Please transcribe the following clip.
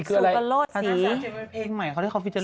สู้กันโลดซินี่เหรอ